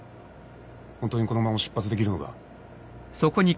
本当にこのまま出発できるのか？